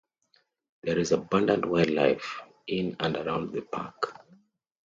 There is abundant wildlife in and around the park.